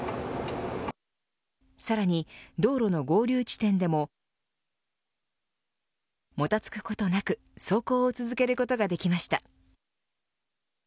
さらに道路の合流地点でももたつくことなく走行を続けることができました。